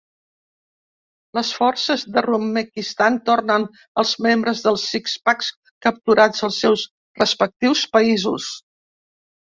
Les forces de Rumekistan tornen els membres del Six Pack capturats als seus respectius països.